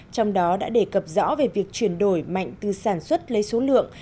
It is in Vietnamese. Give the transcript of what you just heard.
trong đó đã đề cập rõ về việc chuyển đổi mạnh từ sản xuất lấy số lượng